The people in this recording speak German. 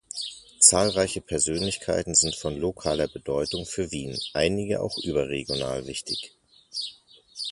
Zahlreiche Persönlichkeiten sind von lokaler Bedeutung für Wien, einige auch überregional wichtig.